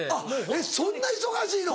えっそんな忙しいの？